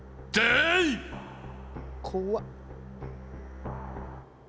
怖っ。